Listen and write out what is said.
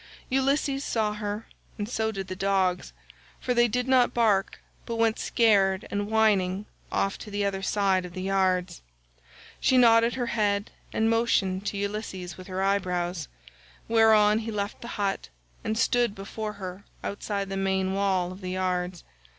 Ulysses saw her, and so did the dogs, for they did not bark, but went scared and whining off to the other side of the yards. She nodded her head and motioned to Ulysses with her eyebrows; whereon he left the hut and stood before her outside the main wall of the yards.